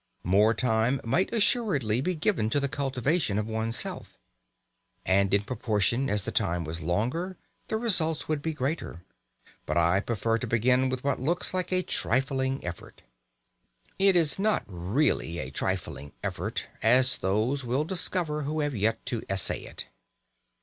More time might assuredly be given to the cultivation of one's self. And in proportion as the time was longer the results would be greater. But I prefer to begin with what looks like a trifling effort. It is not really a trifling effort, as those will discover who have yet to essay it.